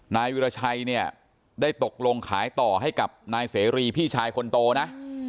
นายวิราชัยเนี่ยได้ตกลงขายต่อให้กับนายเสรีพี่ชายคนโตนะ